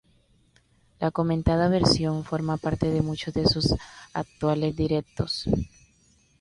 La comentada versión forma parte de muchos de sus actuales directos.